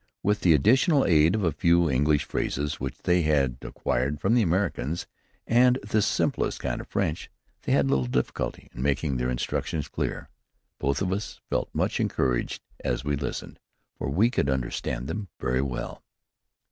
With the additional aid of a few English phrases which they had acquired from the Americans, and the simplest kind of French, they had little difficulty in making their instructions clear. Both of us felt much encouraged as we listened, for we could understand them very well.